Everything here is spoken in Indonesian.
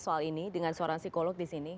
soal ini dengan seorang psikolog di sini